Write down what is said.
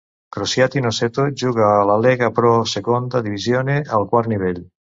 Crociati Noceto juga a la Lega Pro Seconda Divisione, el quart nivell.